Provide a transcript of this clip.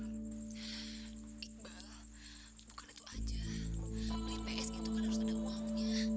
iqbal bukan itu aja beli ps itu kan harus ada uangnya